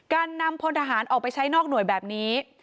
การนำพลทหารออกไปใช้นอกหน่วยแบบนี้